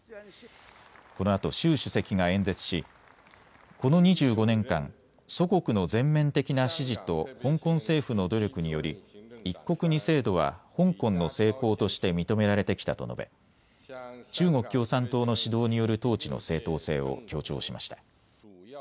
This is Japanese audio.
このあと習主席が演説しこの２５年間、祖国の全面的な支持と香港政府の努力により一国二制度は香港の成功として認められてきたと述べ中国共産党の指導による統治の正当性を強調しました。